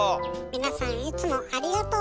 皆さんいつもありがとう。